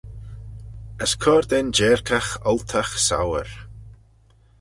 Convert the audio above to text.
As cur da'n jeirkagh oltagh souyr.